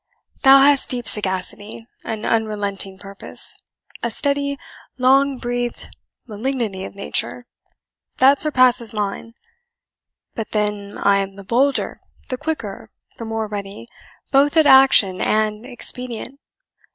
Thou hast deep sagacity an unrelenting purpose a steady, long breathed malignity of nature, that surpasses mine. But then, I am the bolder, the quicker, the more ready, both at action and expedient.